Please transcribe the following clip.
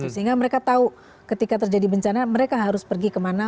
sehingga mereka tahu ketika terjadi bencana mereka harus pergi kemana